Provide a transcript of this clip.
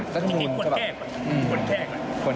จริงคนแก้ก่อน